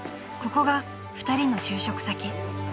［ここが２人の就職先］